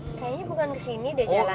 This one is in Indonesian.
kayaknya bukan kesini deh jalan